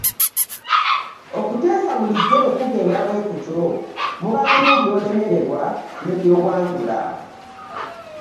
Okuteesa bulijjo bwe kugenda bwe kutyo, mubaamu by’olemererwa ne by’owangula.